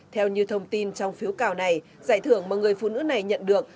theo như thông tin trong phiếu cào này giải thưởng mà người phụ nữ này nhận được